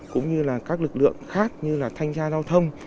cũng như là các lực lượng khác như là thanh tra giao thông